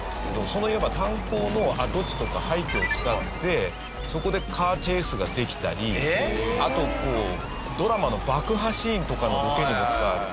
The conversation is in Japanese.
そのいわば炭鉱の跡地とか廃虚を使ってそこでカーチェイスができたりあとドラマの爆破シーンとかのロケにも使われる。